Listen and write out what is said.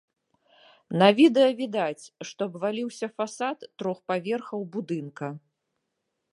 На відэа відаць, што абваліўся фасад трох паверхаў будынка.